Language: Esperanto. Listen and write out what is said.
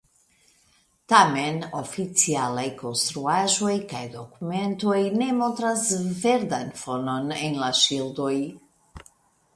Tamen oficialaj konstruaĵoj kaj dokumentoj ne montras verdan fonon en la ŝildoj.